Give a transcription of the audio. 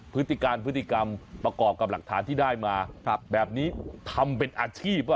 พฤติการพฤติกรรมประกอบกับหลักฐานที่ได้มาแบบนี้ทำเป็นอาชีพ